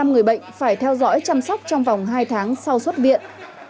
một mươi người bệnh phải theo dõi chăm sóc trong vòng hai tháng sau xuất viện